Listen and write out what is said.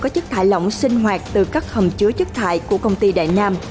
có chất thải lỏng sinh hoạt từ các hầm chứa chất thải của công ty đại nam